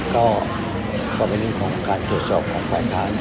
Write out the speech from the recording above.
ก็ไม่มีข้อมูลทดสอบของฝ่ายทาน